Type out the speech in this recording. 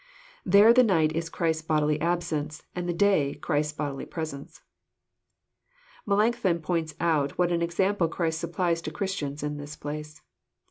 There the night is Christ's bodily absence, and the day Christ's bodily presence. Melancthon points out what an example Christ supplies to Christians in this place.